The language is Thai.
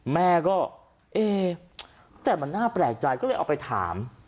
แม่ก็เอ๊แต่มันน่าแปลกใจก็เลยเอาไปถาม